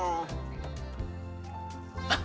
あっ